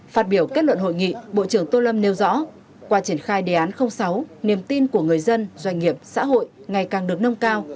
phát biểu kết luận hội nghị bộ trưởng tô lâm nêu rõ qua triển khai đề án sáu niềm tin của người dân doanh nghiệp xã hội ngày càng được nâng cao